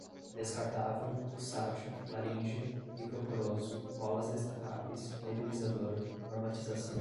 descartável, pulsátil, laríngea, microporoso, molas destacáveis, nebulizador, normatização